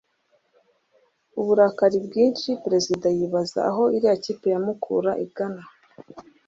n’uburakari bwinshi, perezida yibaza aho iriya kipe ya mukura igana,